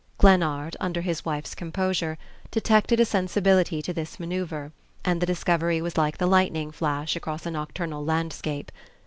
Glennard, under his wife's composure, detected a sensibility to this manoeuvre, and the discovery was like the lightning flash across a nocturnal landscape.